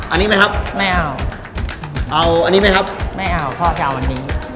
อันนี้ไหมครับไม่เอาเอาอันนี้ไหมครับไม่เอาพ่อจะเอาอันนี้